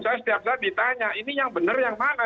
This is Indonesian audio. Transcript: saya setiap saat ditanya ini yang benar yang mana